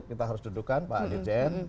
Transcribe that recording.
kita harus dudukan pak aditya n